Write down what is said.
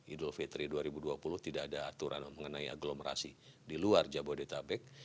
idul fitri dua ribu dua puluh tidak ada aturan mengenai aglomerasi di luar jabodetabek